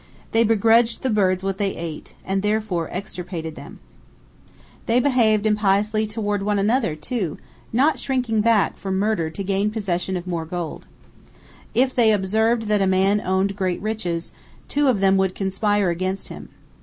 They begrudged the birds what they ate, and therefore extirpated them. They behaved impiously toward one another, too, not shrinking back from murder to gain possession of more gold. If they observed that a man owned great riches, two of them would conspire against him.